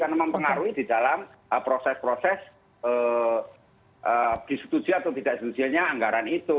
karena mempengaruhi di dalam proses proses disetujui atau tidak disetujui nya anggaran itu